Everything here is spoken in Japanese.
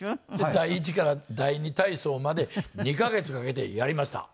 第１から第２体操まで２カ月かけてやりました。